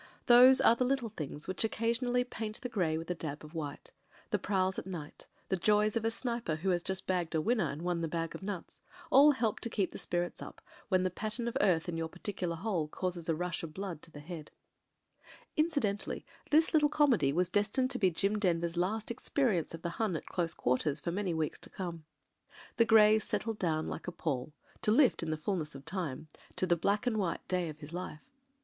... Those are the little things which occasionally paint the grey with a dab of white; the prowls at night — the joys of the sniper who has just bagged a winner and won the bag of nuts — all help to keep the spirits up when the pattern of earth in your particular hole causes a rush of blood to the head. BLACK, WHITE, AND— GREY 277 Incidentally this little comedy was destined to be Jim Denver's last experience of the Hun at close quar ters for many weeks to come. The grey settled down like a pall, to lift in the fulness of time, to the black and white day of his life.